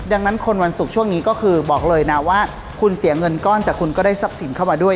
ดังนั้นคนวันศุกร์ช่วงนี้ก็คือบอกเลยนะว่าคุณเสียเงินก้อนแต่คุณก็ได้ทรัพย์สินเข้ามาด้วย